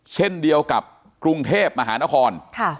เช่นเดียวกับกรุงเทพมหานคร